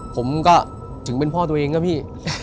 ผมก็ถึงเป็นพ่อตัวเองก็พี่